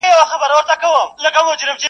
مخ ګلاب لېمه نرګس زلفي سنبل سوې,